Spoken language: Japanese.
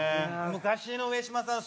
昔の上島さん